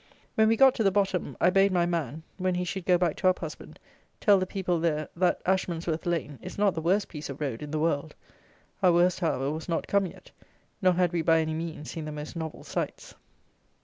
When we got to the bottom, I bade my man, when he should go back to Uphusband, tell the people there, that Ashmansworth Lane is not the worst piece of road in the world. Our worst, however, was not come yet, nor had we by any means seen the most novel sights.